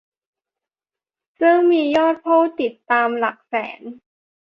ซึ่งมียอดผู้ติดตามหลักแสน